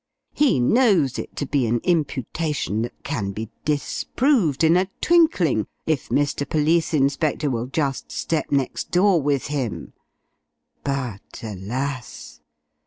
He knows it to be an imputation that can be disproved in a twinkling, if Mr. Police Inspector will just step next door with him; but, alas!